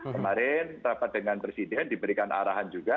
kemarin rapat dengan presiden diberikan arahan juga